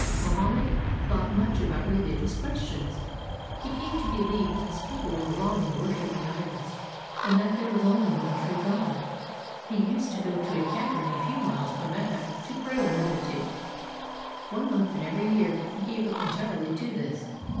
Mohammed thought much about rehgious questions. He came to believe that his people were wrong in wor shiping idols, and that there was only one true God. He used to go to a cavern a few miles from Mecca to pray and meditate. One month in every year he gave up entirely to this.